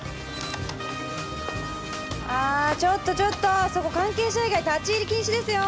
ああちょっとちょっとそこ関係者以外立入禁止ですよ。